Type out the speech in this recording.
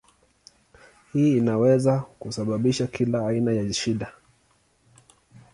Hii inaweza kusababisha kila aina ya shida.